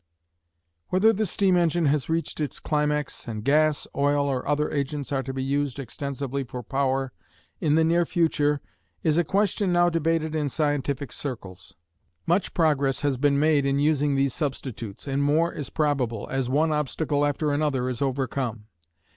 Whether the steam engine has reached its climax, and gas, oil, or other agents are to be used extensively for power, in the near future, is a question now debated in scientific circles. Much progress has been made in using these substitutes, and more is probable, as one obstacle after another is overcome.